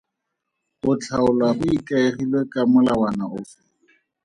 O tlhaolwa go ikaegilwe ka molawana ofe?